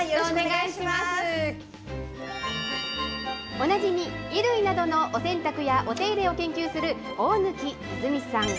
おなじみ、衣類などのお洗濯やお手入れを研究する大貫和泉さん。